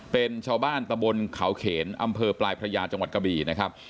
เป็นชาวบ้านตะบนเขาเขนอำเภอปลายพระยาจังหวัดกะบี่นะครับ